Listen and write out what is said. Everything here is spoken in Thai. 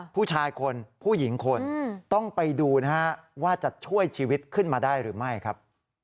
ผู้ชายคนผู้หญิงคนต้องไปดูนะฮะว่าจะช่วยชีวิตขึ้นมาได้หรือไม่ครับ